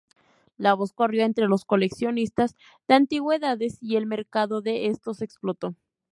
La voz corrió entre los coleccionistas de antigüedades, y el mercado de estos explotó.